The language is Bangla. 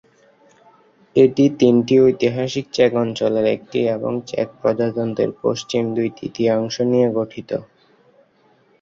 এটি তিনটি ঐতিহাসিক চেক অঞ্চলের একটি এবং চেক প্রজাতন্ত্রের পশ্চিম দুই-তৃতীয়াংশ নিয়ে গঠিত।